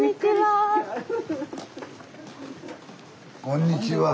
こんにちは。